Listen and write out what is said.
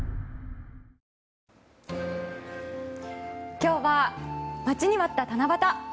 今日は待ちに待った七夕。